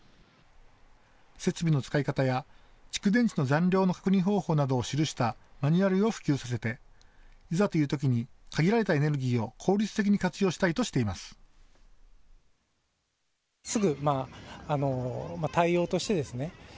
設備の使い方や蓄電池の残量の確認方法などを記したマニュアルを普及させていざというときに限られたエネルギーを効率的に活用したいとしています。